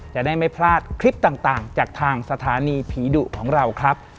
จะได้ไม่พลาดคลิปต่างจากทางสถานีผีดุของเราครับ